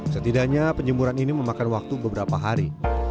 setidaknya penjemuran ini memakan waktu beberapa hari